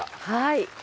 はい。